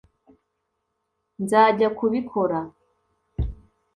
nzajya kubikora